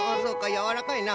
やわらかいな。